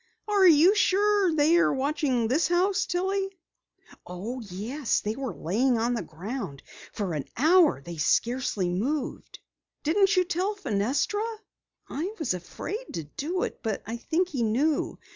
"Are you sure they were watching this house, Tillie?" "Oh, yes, they were lying on the ground. For an hour they scarcely moved." "Didn't you tell Fenestra?" "I was afraid to do it, but I think he knew.